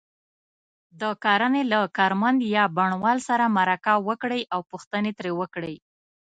د کرنې له کارمند یا بڼوال سره مرکه وکړئ او پوښتنې ترې وکړئ.